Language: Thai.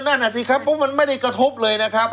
นั่นน่ะสิครับเพราะมันไม่ได้กระทบเลยนะครับ